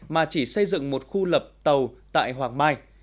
mà chỉ xây dựng một khu lập tàu tại hoàng mai